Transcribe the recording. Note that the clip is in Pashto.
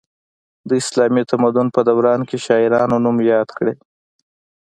د اسلامي تمدن په دوران کې شاعرانو نوم یاد کړی.